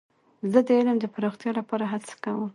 زه د علم د پراختیا لپاره هڅه کوم.